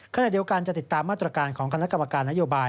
ขณะเดียวกันจะติดตามมาตรการของคณะกรรมการนโยบาย